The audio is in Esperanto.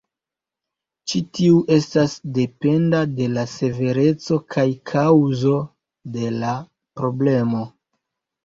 Ĉi tiu estas dependa de la severeco kaj kaŭzo de la problemo.